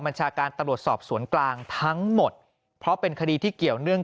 ัญชาการตำรวจสอบสวนกลางทั้งหมดเพราะเป็นคดีที่เกี่ยวเนื่อง